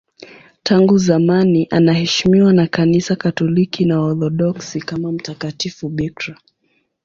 Tangu zamani anaheshimiwa na Kanisa Katoliki na Waorthodoksi kama mtakatifu bikira.